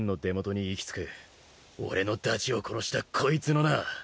俺のダチを殺したこいつのな！